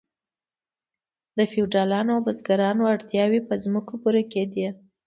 د فیوډالانو او بزګرانو اړتیاوې په ځمکو پوره کیدې.